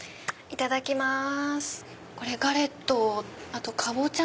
いただきます。